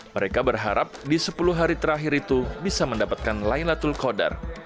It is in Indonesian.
mereka berharap di sepuluh hari terakhir itu bisa mendapatkan laylatul qadar